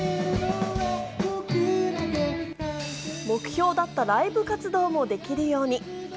目標だったライブ活動もできるように。